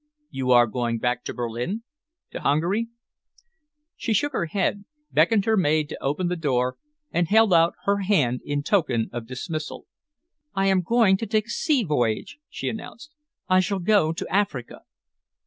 "You are going back to Berlin to Hungary?" She shook her head, beckoned her maid to open the door, and held out her hand in token of dismissal. "I am going to take a sea voyage," she announced. "I shall go to Africa."